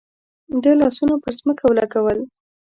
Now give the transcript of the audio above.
ده لاسونه پر ځمکه ولګول.